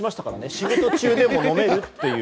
仕事中でも飲めるという。